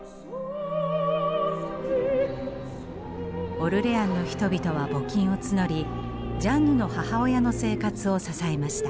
オルレアンの人々は募金を募りジャンヌの母親の生活を支えました。